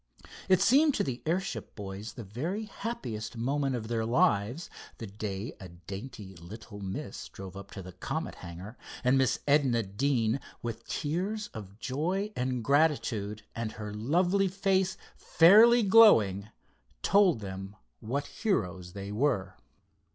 It seemed to the airship boys the very happiest moment of their lives, the day a dainty little miss drove up to the Comet hangar, and Miss Edna Deane, with tears of joy and gratitude, and her lovely face fairly glowing, told them what heroes they were.